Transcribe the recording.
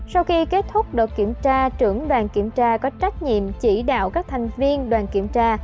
sau khi kết thúc đợt kiểm tra trưởng đoàn kiểm tra có trách nhiệm chỉ đạo các thành viên đoàn kiểm tra